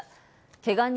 けが人